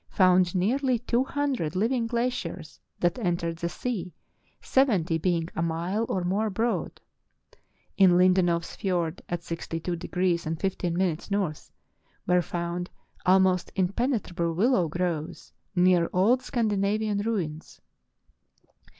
found nearly two hundred living glaciers that entered the sea, seventy being a mile or more broad. In Lindenows Fiord, 62° 15' N., were found almost impenetrable willow groves near old Scandina vian ruins.